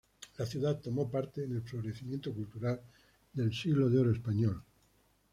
La ciudad tomó parte en el florecimiento cultural del Siglo de Oro español.